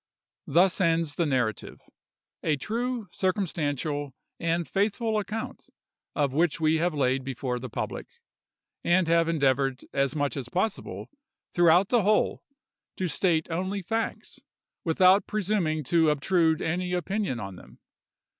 "Thus ends the narrative—a true, circumstantial, and faithful account of which we have laid before the public; and have endeavored as much as possible, throughout the whole, to state only facts, without presuming to obtrude any opinion on them.